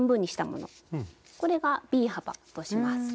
これがＢ幅とします。